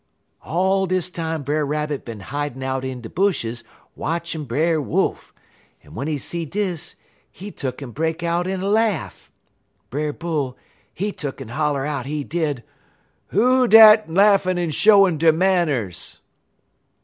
"All dis time Brer Rabbit bin hidin' out in de bushes watchin' Brer Wolf, en w'en he see dis he tuck'n break out in a laugh. Brer Bull, he tuck'n holler out, he did: "'Who dat laughin' en showin' der manners?'